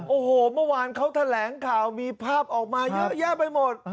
โอ้โหเมื่อวานเขาแถลงข่าวมีภาพออกมาเยอะแยะไปหมด